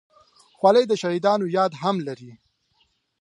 خولۍ د شهیدانو یاد هم لري.